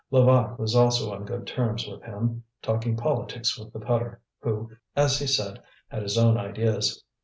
Levaque was also on good terms with him, talking politics with the putter, who, as he said, had his own ideas.